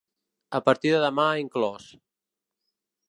A partir de demà inclòs.